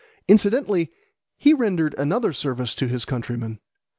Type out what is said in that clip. Incidentally he rendered another service to his countrymen.